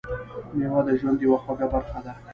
میوه د ژوند یوه خوږه برخه ده.